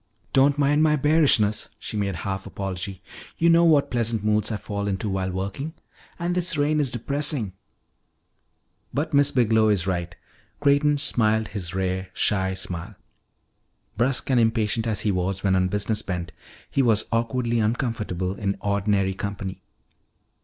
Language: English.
"Don't mind my bearishness," she made half apology. "You know what pleasant moods I fall into while working. And this rain is depressing." "But Miss Biglow is right." Creighton smiled his rare, shy smile. Brusque and impatient as he was when on business bent, he was awkwardly uncomfortable in ordinary company.